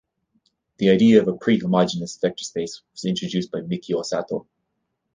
The idea of a prehomogeneous vector space was introduced by Mikio Sato.